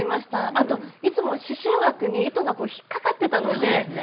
あといつも刺しゅう枠に糸が引っかかってたので納得しました。